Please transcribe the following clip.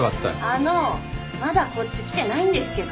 ・あのうまだこっち来てないんですけど。